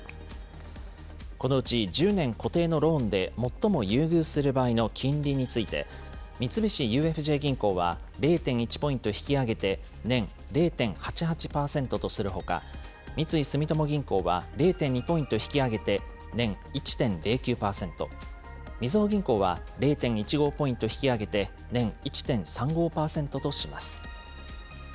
このうち１０年固定のローンで最も優遇する場合の金利について、三菱ＵＦＪ銀行は０．１ポイント引き上げて、年０．８８％とするほか、三井住友銀行は０．２ポイント引き上げて、年１．０９％、みずほ銀行は０．１５ポイント引き上げて、年１．３５％とします。